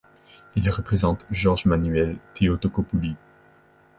Il représente Jorge Manuel Theotocopouli.